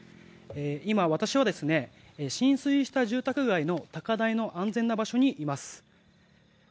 今、私は浸水した住宅街の高台の安全な場所にいます。